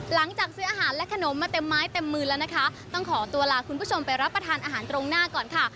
หลังจากซื้ออาหารและขนมมาเต็มไม้เต็มมือแล้วนะคะต้องขอตัวลาคุณผู้ชมไปรับประทานอาหารตรงหน้าก่อนค่ะ